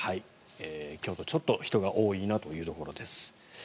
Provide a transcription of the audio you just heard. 京都、ちょっと人が多いなというところです。